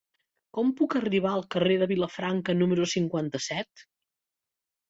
Com puc arribar al carrer de Vilafranca número cinquanta-set?